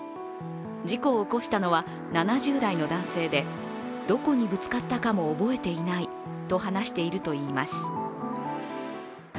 事故を起こしたのは７０代の男性で、どこにぶつかったかも覚えていないと話しているといいます。